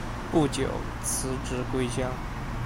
不久辞职归乡。